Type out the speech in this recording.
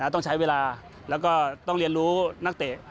ต้องใช้เวลาแล้วก็ต้องเรียนรู้นักเตะ